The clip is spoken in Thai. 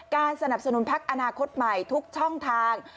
สนับสนุนพักอนาคตใหม่ทุกช่องทาง